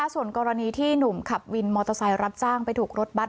ส่วนกรณีที่หนุ่มขับวินมอเตอร์ไซค์รับจ้างไปถูกรถบัตร